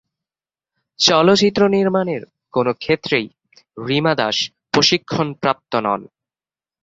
চলচ্চিত্র নির্মাণের কোনও ক্ষেত্রেই রিমা দাস প্রশিক্ষণপ্রাপ্ত নন।